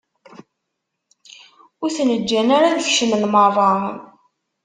Ur ten-ǧǧan ara ad kecmen merra.